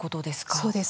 そうです。